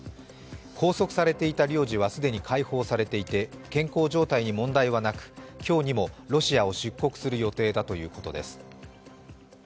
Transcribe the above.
拘束されていた領事は既に解放されていて健康状態に問題はなく、今日にもロシアを出国する予定だということです。